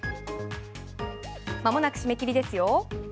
まもなく締め切りですよ。